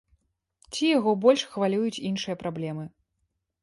Ці яго больш хвалююць іншыя праблемы.